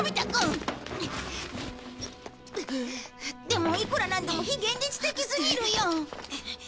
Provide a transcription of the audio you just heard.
でもいくらなんでも非現実的すぎるよ！